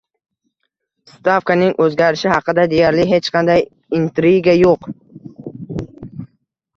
Stavkaning o'zgarishi haqida deyarli hech qanday intriga yo'q